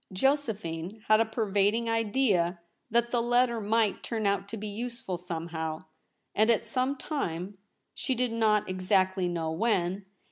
Josephine had a pervading idea that the letter might turn out to be useful somehow, and at some time; she did not exactly know when.